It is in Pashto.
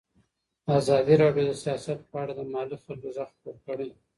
ازادي راډیو د سیاست په اړه د محلي خلکو غږ خپور کړی.